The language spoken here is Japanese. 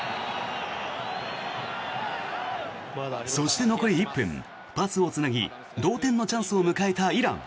そして、残り１分パスをつなぎ同点のチャンスを迎えたイラン。